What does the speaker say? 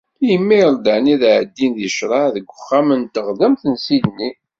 Imerda-nni ad εeddin deg ccreε deg uxxam n teɣdemt n Sydney.